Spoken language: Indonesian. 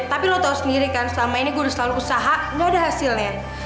tapi lo tau sendiri kan selama ini gue udah selalu usaha gak ada hasilnya